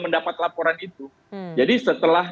mendapat laporan itu jadi setelah